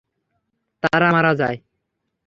তারা মারা যায়।